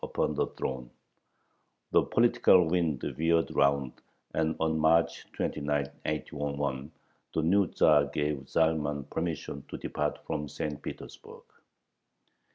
upon the throne. The political wind veered round, and on March 29, 1801, the new Tzar gave Zalman permission to depart from St. Petersburg.